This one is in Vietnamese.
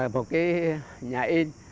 một cái nhà in